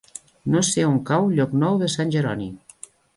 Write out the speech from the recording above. No sé on cau Llocnou de Sant Jeroni.